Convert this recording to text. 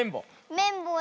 めんぼうだ。